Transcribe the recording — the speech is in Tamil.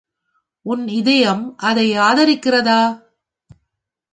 உன் இருதயம் அதை ஆதரிக்கிறதா?